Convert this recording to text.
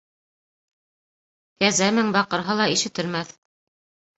Кәзә мең баҡырһа ла ишетелмәҫ